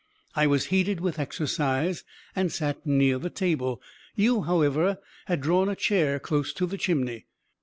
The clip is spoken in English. I was heated with exercise and sat near the table. You, however, had drawn a chair close to the chimney.